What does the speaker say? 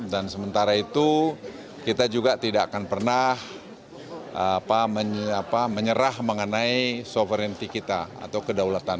dan sementara itu kita juga tidak akan pernah menyerah mengenai sovereignty kita atau kedaulatan